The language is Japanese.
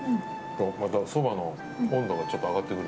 また、そばの温度がちょっと上がってくる。